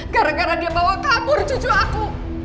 gara gara dia bawa kabur cucu aku